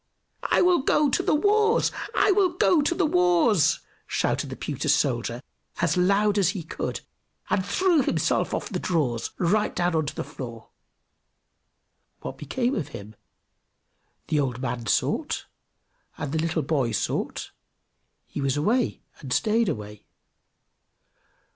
"I will go to the wars! I will go to the wars!" shouted the pewter soldier as loud as he could, and threw himself off the drawers right down on the floor. What became of him? The old man sought, and the little boy sought; he was away, and he stayed away.